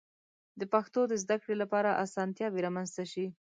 د پښتو د زده کړې لپاره آسانتیاوې رامنځته شي.